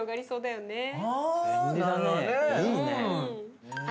そうだね。